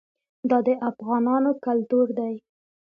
دا د افغانانو کلتور دی.